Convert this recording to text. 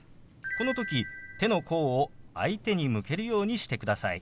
この時手の甲を相手に向けるようにしてください。